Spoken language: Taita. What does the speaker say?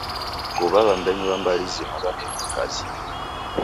Guw'a w'ambenyu w'a mbari zima w'amerie kazi.